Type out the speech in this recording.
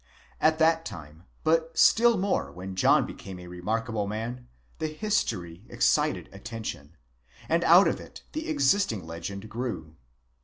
At that time, but still more when John became a re markable man, the history excited attention, and out of it the existing legend grew.!